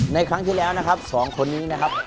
ครั้งที่แล้วนะครับสองคนนี้นะครับ